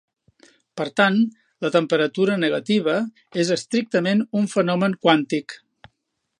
Per tant, la temperatura negativa és estrictament un fenomen quàntic.